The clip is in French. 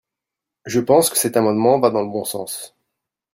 Je pense que cet amendement va dans le bon sens.